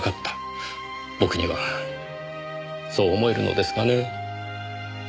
僕にはそう思えるのですがねぇ。